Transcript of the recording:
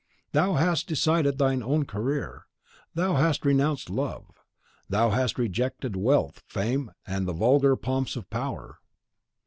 Thou hast decided thine own career; thou hast renounced love; thou hast rejected wealth, fame, and the vulgar pomps of power.